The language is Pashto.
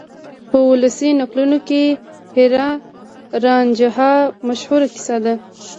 په ولسي نکلونو کې هیر رانجھا مشهوره کیسه ده.